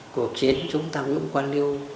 cuộc chiến chúng ta cũng quan lưu